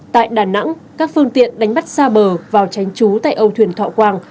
tại đà nẵng các phương tiện đánh bắt xa bờ vào tránh trú tại âu thuyền thọ quang